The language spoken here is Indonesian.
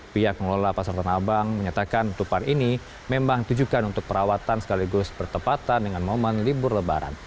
pihak pengelola pasar tanah abang menyatakan tupar ini memang ditujukan untuk perawatan sekaligus pertepatan dengan momen libur lebaran